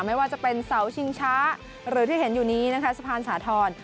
ไม่ว่าจะเป็นเสาชิงช้าหรือที่เห็นอยู่นี้นะคะสะพานสาธรณ์